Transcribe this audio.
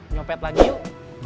nyopet lagi yuk